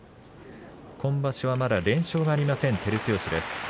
今場所はまだ連勝がありません、照強です。